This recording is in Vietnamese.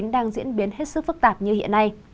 đang diễn biến hết sức phức tạp như hiện nay